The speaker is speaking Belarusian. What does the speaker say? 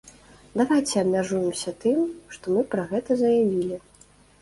Давайце абмяжуемся тым, што мы пра гэта заявілі.